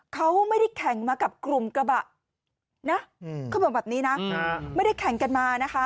เขาไม่ได้แข่งมากับกลุ่มกระบะนะเขาบอกแบบนี้นะไม่ได้แข่งกันมานะคะ